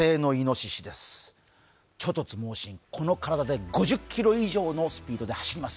猪突猛進、この体で５０キロ以上のスピードで走ります。